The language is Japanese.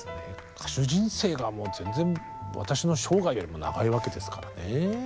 歌手人生がもう全然私の生涯よりも長いわけですからね。